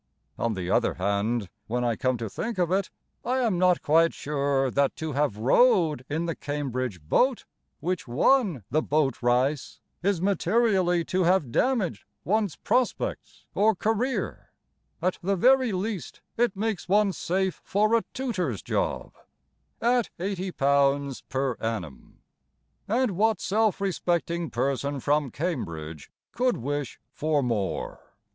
On the other hand, When I come to think of it I am not quite sure That to have rowed In the Cambridge boat Which won the bowt rice, Is materially to have damaged One's prospects or career: At the very least, it makes one safe For a tutor's job At £80 per annum; And what self respecting person from Cambridge Could wish for more?